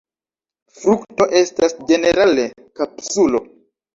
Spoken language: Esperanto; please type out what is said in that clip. Frukto estas ĝenerale kapsulo.